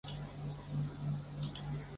町内没有铁路。